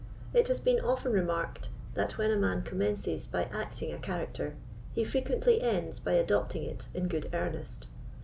It has been often remarked, that when a man commences by acting a character, he frequently ends by adopting it in good earnest.